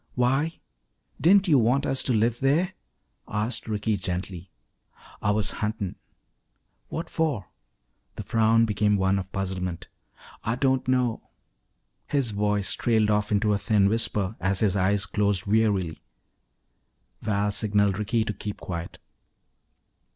"Why? Didn't you want us to live there?" asked Ricky gently. "Ah was huntin' " "What for?" The frown became one of puzzlement. "Ah don't know " His voice trailed off into a thin whisper as his eyes closed wearily. Val signaled Ricky to keep quiet.